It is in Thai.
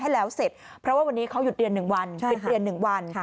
ให้แล้วเสร็จเพราะว่าวันนี้เขาหยุดเรียนหนึ่งวัน